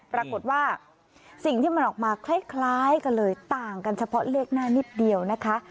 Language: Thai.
ปรากฏว่าสิ่งที่มันออกมาคล้ายกันเลยต่างกันเฉพาะเลขหน้านิดเดียวนะคะ